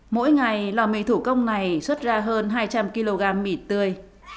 mỗi ngày lò mì thủ công này xuất ra hơn hai trăm linh kg mịt tươi